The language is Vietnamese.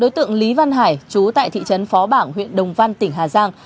đối tượng lý văn hải chú tại thị trấn phó bảng huyện đồng văn tỉnh hà giang